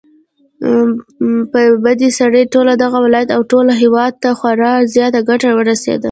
پدې سره ټول دغه ولايت او ټول هېواد ته خورا زياته گټه ورسېده